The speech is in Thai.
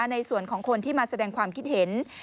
ในส่วนของคนที่มาแสดงความคิดเห็น